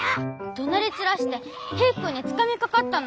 どなりちらしてヒーくんにつかみかかったの。